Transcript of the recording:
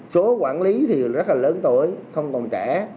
số quản lý thì rất là lớn tuổi không còn trẻ